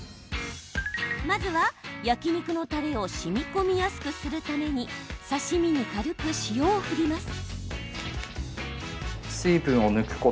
まずは焼き肉のたれをしみこみやすくするために刺身に軽く塩を振ります。